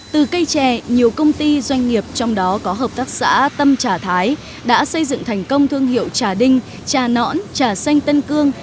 từ cây chè nhiều công ty doanh nghiệp trong đó có hợp tác xã tâm trà thái đã xây dựng thành công thương hiệu trà đinh trà nõn trà xanh tân cương